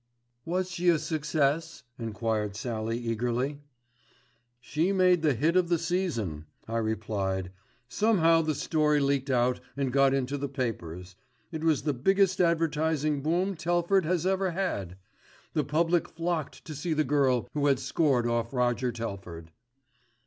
"Was she a success?" enquired Sallie eagerly. "She made the hit of the season," I replied. "Somehow the story leaked out and got into the papers. It was the biggest advertising boom Telford has ever had. The public flocked to see the girl who had scored off Roger Telford."